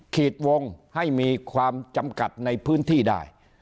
ขีดวงให้มีความจำกัดในพื้นที่ได้